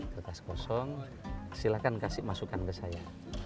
kertas kosong silakan kasih masukan ke saya